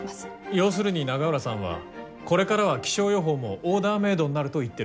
要するに永浦さんはこれからは気象予報もオーダーメードになると言ってるんでしょ？